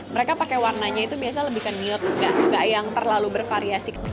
mereka pakai warnanya itu biasanya lebih ke nude gak yang terlalu bervariasi